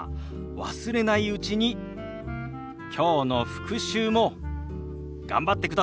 忘れないうちにきょうの復習も頑張ってくださいね。